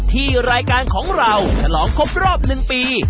ที่รายการของเราฉลองครบรอบ๑ปี